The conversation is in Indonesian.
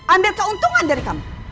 ambil keuntungan dari kamu